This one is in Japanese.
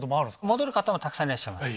戻る方もたくさんいらっしゃいます。